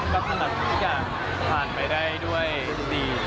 ก็สำหรับทุกอย่างผ่านไปได้ด้วยดี